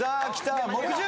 木１０。